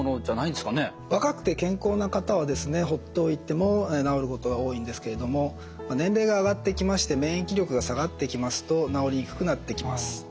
若くて健康な方はほっといても治ることが多いんですけれども年齢が上がっていきまして免疫力が下がっていきますと治りにくくなってきます。